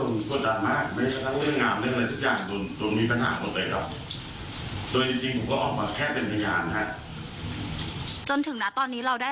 แน่นอนครับมีความแน่